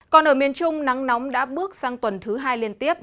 còn ở miền trung nắng nóng đã bước sang tuần thứ hai liên tiếp